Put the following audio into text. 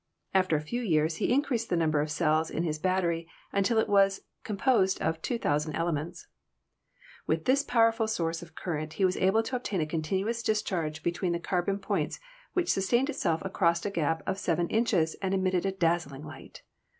After a few years he in creased the number of cells in his battery until it was composed of 2,000 elements. With this powerful source of current he was able to obtain a continuous discharge between carbon points which sustained itself across a gap of 7 inches and emitted a dazzling light.